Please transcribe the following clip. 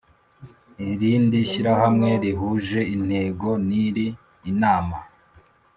Irindi shyirahamwe rihuje intego n iri inama